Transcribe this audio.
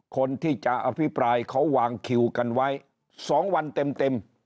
คนที่จะอภิปรายเขาวางคิวกันไว้๒วันเต็ม